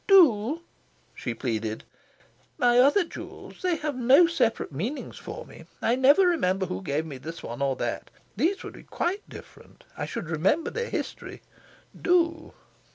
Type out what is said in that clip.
"Do!" she pleaded. "My other jewels they have no separate meanings for me. I never remember who gave me this one or that. These would be quite different. I should always remember their history... Do!"